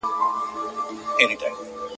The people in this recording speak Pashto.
پخپله یې وژلی په تیاره لار کي مشل دی !.